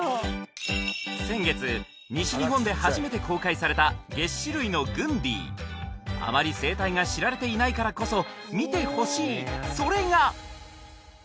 先月西日本で初めて公開されたげっ歯類のグンディあまり生態が知られていないからこそ見てほしいそれが！